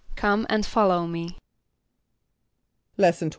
="Come and follow me."= Lesson XXIV.